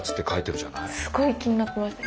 すごい気になってました。